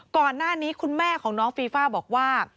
ก่อนหน้านี้คุณแม่ของน้องฟีฟ่าบอกว่า